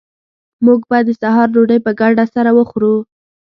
موږ به د سهار ډوډۍ په ګډه سره خورو